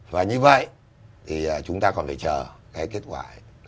và như vậy thì chúng ta còn phải chờ cái kết quả ấy